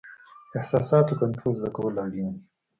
احساساتو کنټرول زده کول اړین دي.